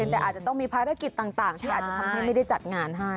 แต่อาจจะต้องมีภารกิจต่างที่อาจจะทำให้ไม่ได้จัดงานให้